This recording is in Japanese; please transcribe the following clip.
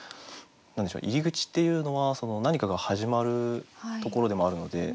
何でしょう「入り口」っていうのは何かが始まるところでもあるので。